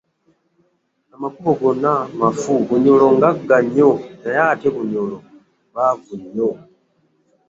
Amakubo gonna mafu, Bunyoro ngagga nnyo naye ate abanyoro baavu nnyo.